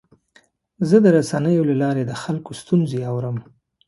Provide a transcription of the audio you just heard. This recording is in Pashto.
زه د رسنیو له لارې د خلکو ستونزې اورم.